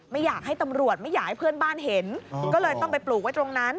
ไม่อยากให้เพื่อนบ้านเห็นก็เลยต้องไปปลูกไว้ตรงนั้น